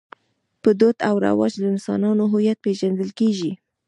په دود او رواج د انسانانو هویت پېژندل کېږي.